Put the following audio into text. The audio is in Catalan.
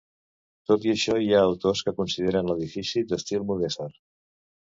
Tot i això, hi ha autors que consideren l'edifici d'estil mudèjar.